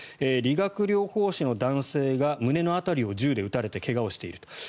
理学療法士の男性が胸の辺りを銃で撃たれて怪我をしていると。